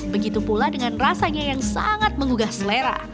begitu pula dengan rasanya yang sangat mengugah selera